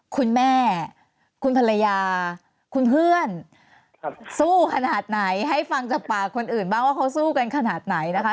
คุณแม่คุณภรรยาคุณเพื่อนสู้ขนาดไหนให้ฟังจากปากคนอื่นบ้างว่าเขาสู้กันขนาดไหนนะคะ